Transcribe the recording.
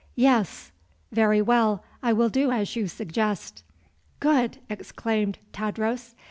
"Yes." "Very well; I will do as you suggest." "Good!" exclaimed Tadros.